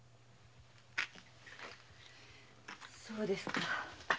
そうですか。